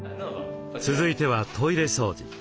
続いてはトイレ掃除。